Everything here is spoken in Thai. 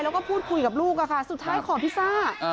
แล้วก็พูดคุยกับลูกอะค่ะสุดท้ายขอพิซซ่า